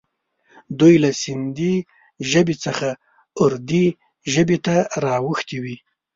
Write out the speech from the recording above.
دوی له سیندي ژبې څخه اردي ژبې ته را اوښتي وي.